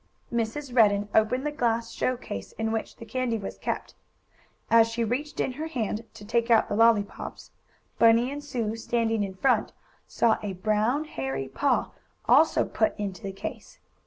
Mrs. Redden opened the glass show case in which the candy was kept. As she reached in her hand, to take out the lollypops, Bunny and Sue, standing in front, saw a brown, hairy paw also put into the case.